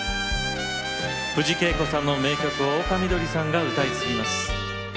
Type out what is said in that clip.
藤圭子さんの名曲を丘みどりさんが歌い継ぎます。